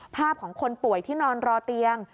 ภาพของคนป่วยที่นอนรอเตียง